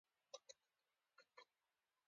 هغه وویل له شاه جان سره به یو ځای ولاړ شو.